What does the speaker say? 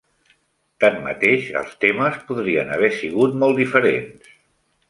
Tanmateix, els temes podrien haver sigut molt diferents.